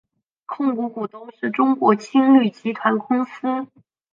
控股股东是中国青旅集团公司。